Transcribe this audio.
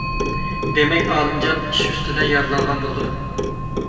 دېمەك، ئالىمجان ئىش ئۈستىدە يارىلانغان بولىدۇ.